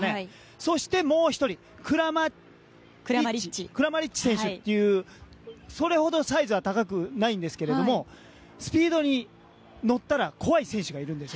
そして、もう１人クラマリッチ選手というそれほどサイズは高くないんですがスピードに乗ったら怖い選手がいるんです。